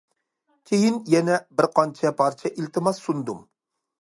كېيىن يەنە بىر قانچە پارچە ئىلتىماس سۇندۇم.